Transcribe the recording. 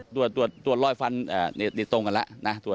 ตรวจรอยฟันนี่ตรงกันแล้วนะ